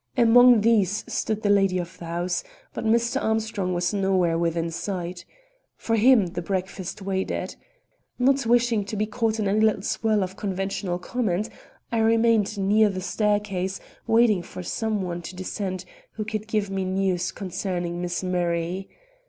Among these stood the lady of the house; but Mr. Armstrong was nowhere within sight. For him the breakfast waited. Not wishing to be caught in any little swirl of conventional comment, I remained near the staircase waiting for some one to descend who could give me news concerning Miss Murray.